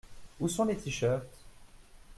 Où sont les tee-shirts ?